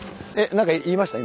何か言いました？